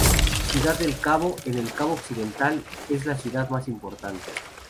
Ciudad del Cabo, en El Cabo Occidental, es la ciudad más importante.